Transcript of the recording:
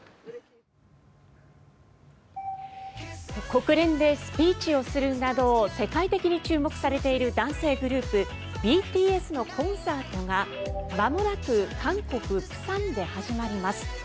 国連でスピーチをするなど世界的に注目されている男性グループＢＴＳのコンサートがまもなく韓国・釜山で始まります。